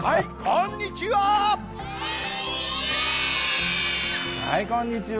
はい、こんにちは。